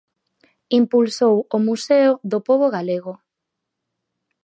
Impulsou o Museo do Pobo Galego.